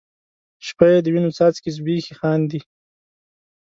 شپه یې د وینو څاڅکي زبیښي خاندي